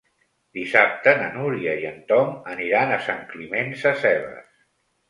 Dissabte na Núria i en Tom aniran a Sant Climent Sescebes.